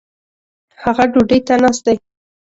هغه ډوډي ته ناست دي